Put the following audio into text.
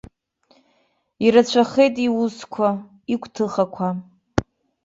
Ирацәахеит иусқәа, игәҭыхақәа.